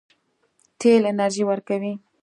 تیل انرژي ورکوي.